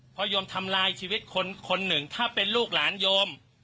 พอโยมทำลายชีวิตคนคนหนึ่งถ้าเป็นลูกหลานโยม